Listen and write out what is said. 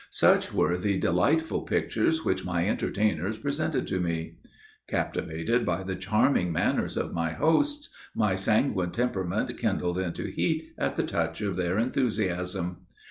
Such were the delightful pictures which my entertainers presented to me. Captivated by the charming manners of my hosts, my sanguine temperament kindled into heat at the touch of their enthusiasm.